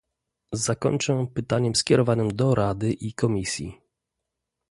Zakończę pytaniem skierowanym do Rady i Komisji